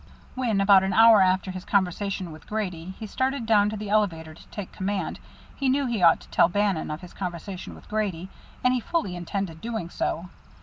When, about an hour after his conversation with Grady, he started down to the elevator to take command, he knew he ought to tell Bannon of his conversation with Grady, and he fully intended doing so.